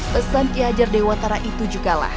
pesan ki hajar dewatara itu juga lah